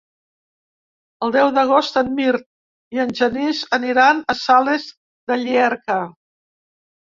El deu d'agost en Mirt i en Genís aniran a Sales de Llierca.